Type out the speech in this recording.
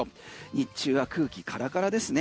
日中は空気カラカラですね